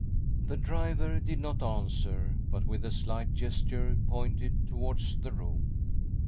) The driver did not answer, but with a slight gesture pointed towards the' room.